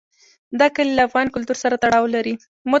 دا کلي له افغان کلتور سره تړاو لري.